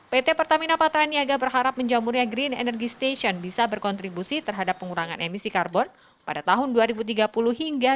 pt pertamina patraniaga berharap menjamurnya green energy station bisa berkontribusi terhadap pengurangan emisi karbon pada tahun dua ribu tiga puluh hingga dua ribu dua puluh